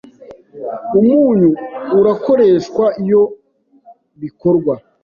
umunyu urakoreshwa iyo bikorwa